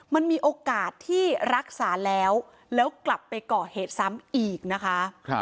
มันมีโอกาสที่รักษาแล้วแล้วกลับไปก่อเหตุซ้ำอีกนะคะ